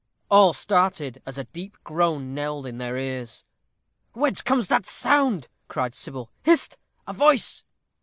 All started, as a deep groan knelled in their ears. "Whence comes that sound?" cried Sybil. "Hist! a voice?"